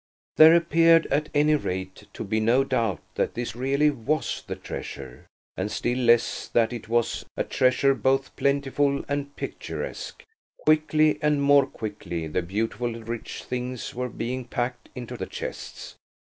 There appeared, at any rate, to be no doubt that this really was the treasure, and still less that it was a treasure both plentiful and picturesque. Quickly and more quickly the beautiful rich things were being packed into the chests.